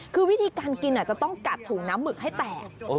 คือวิธีการกินจะต้องกัดถุงน้ำหมึกให้แตก